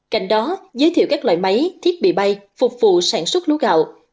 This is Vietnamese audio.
cạnh đó giới thiệu các loại máy thiết bị bay phục vụ sản xuất lúa gạo